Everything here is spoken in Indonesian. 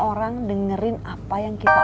orang dengerin apa yang kita